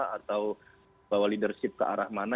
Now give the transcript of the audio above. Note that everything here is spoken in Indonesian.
atau bawa leadership ke arah mana